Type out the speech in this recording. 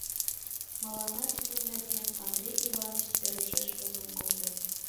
Мыланна тидын нерген Андрей Иваныч серышеш возен колтен.